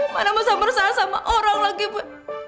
mana mau samar salah sama orang lagi pe